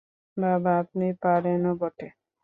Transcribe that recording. বাবা, আপনি পারেনও বটে।